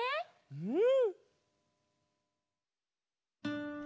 うん！